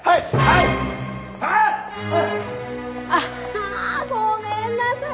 ああごめんなさい！